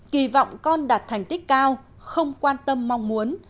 kỳ vọng con đạt thành tích cao không quan tâm mong muốn